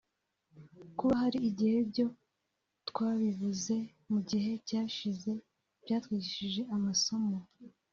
kuba hari igihe ibyo twabibuze mu gihe cyashize byatwigishije amasomo